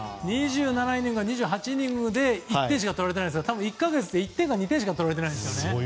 ２７イニングや２８イニングで１点しか取られてないですから１か月で１点か２点しか取られてないんですよね。